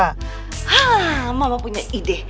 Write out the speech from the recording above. hah mama punya ide